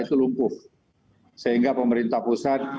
itu lumpuh sehingga pemerintah pusat